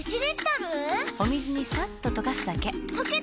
お水にさっと溶かすだけ。